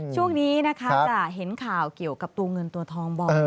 ช่วงนี้นะคะจะเห็นข่าวเกี่ยวกับตัวเงินตัวทองบ่อย